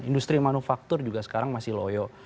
industri manufaktur juga sekarang masih loyo